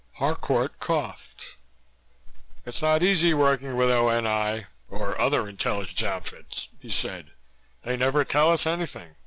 Harcourt coughed. "It's not easy working with O.N.I, or other intelligence outfits," he said. "They never tell us anything.